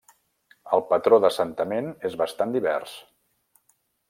El patró d'assentament és bastant divers.